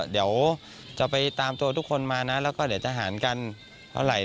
เดี๋ยวจะไปตามตัวทุกคนมานะแล้วก็เดี๋ยวจะหารกันเท่าไหร่